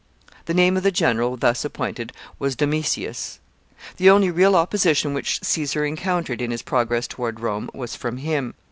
The name of the general thus appointed was Domitius. The only real opposition which Caesar encountered in his progress toward Rome was from him.